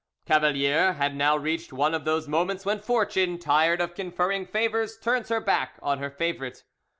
Cavalier had now reached one of those moments when Fortune, tired of conferring favours, turns her back on the favourite.